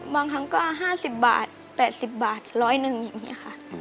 บางครั้งก็๕๐บาท๘๐บาท๑๐๐นึงอย่างนี้ค่ะ